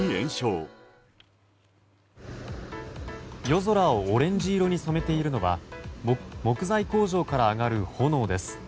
夜空をオレンジ色に染めているのは木材工場から上がる炎です。